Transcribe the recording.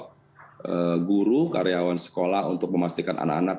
jadi kita juga mengundang guru karyawan sekolah untuk memastikan anak anak